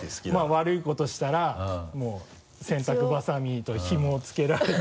悪いことしたらもう洗濯ばさみとひもをつけられる。